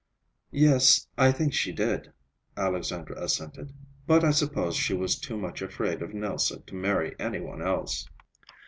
"Yes, I think she did," Alexandra assented, "but I suppose she was too much afraid of Nelse to marry any one else.